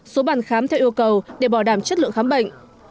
số bàn khám theo yêu cầu để bảo đảm chất lượng khám bệnh